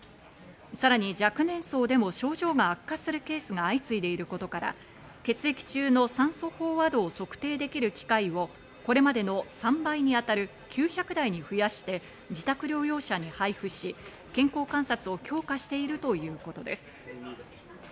さらに若年層でも症状が悪化するケースが相次いでいることから、血液中の酸素飽和度を測定できる機械をこれまでの３倍に当たる９００台に増やして、自宅療養者に配布し、健康観察を強化しているということです。